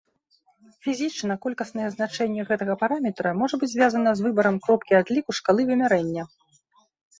Фізічна колькаснае значэнне гэтага параметра можа быць звязана з выбарам кропкі адліку шкалы вымярэння.